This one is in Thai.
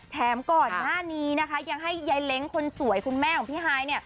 ก่อนหน้านี้นะคะยังให้ยายเล้งคนสวยคุณแม่ของพี่ฮาย